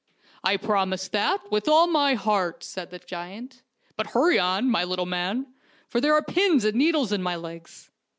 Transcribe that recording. " I promise that, with all my heart," said the giant. " But hurry on, my little man, for there are pins and needles in my legs."